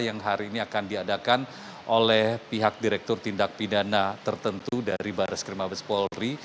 yang hari ini akan diadakan oleh pihak direktur tindak pidana tertentu dari baris krim abes polri